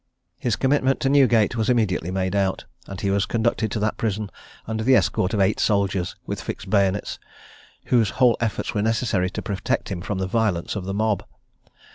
His commitment to Newgate was immediately made out, and he was conducted to that prison under the escort of eight soldiers, with fixed bayonets, whose whole efforts were necessary to protect him from the violence of the mob.